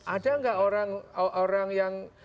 ada nggak orang yang